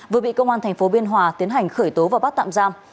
vừa bị công an thành phố biên hòa tiến hành khởi tố và bắt tạm giam